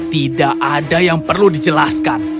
tidak ada yang perlu dijelaskan